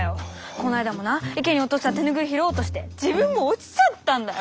この間もな池に落とした手ぬぐい拾おうとして自分も落ちちゃったんだよ！